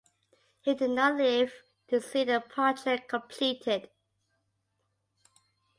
He did not live to see the project completed.